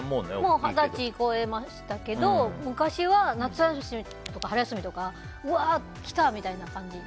もう二十歳超えましたけど昔は夏休みとか春休みとかうわー来たみたいな感じ。